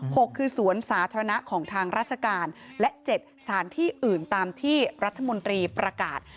หกคือสวนสาธารณะของทางราชการและเจ็ดสถานที่อื่นตามที่รัฐมนตรีประกาศ